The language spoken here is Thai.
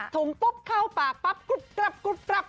ถุงปุ๊บเข้าปากปั๊บกรุบกลับกรุบปรับ